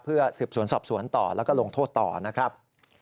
เพื่อสืบสวนสอบสวนต่อแล้วก็ลงโทษต่อนะครับ